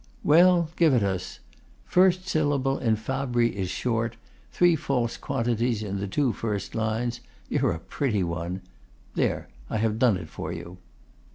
'Well, give it us: first syllable in fabri is short; three false quantities in the two first lines! You're a pretty one. There, I have done it for you.